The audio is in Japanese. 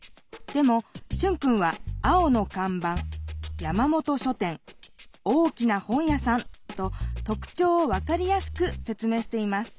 でもシュンくんは「青のかんばん」「山本書店」「大きな本屋さん」ととくちょうを分かりやすく説明しています